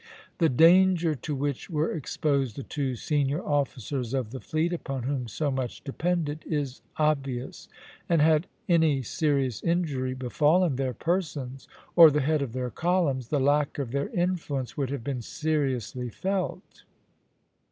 The danger to which were exposed the two senior officers of the fleet, upon whom so much depended, is obvious; and had any serious injury befallen their persons, or the head of their columns, the lack of their influence would have been seriously felt.